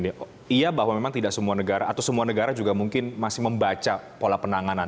iya bahwa memang tidak semua negara atau semua negara juga mungkin masih membaca pola penanganan